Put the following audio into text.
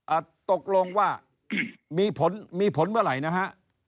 อ่ะตกลงว่ามีผลเมื่อไหร่นะฮะ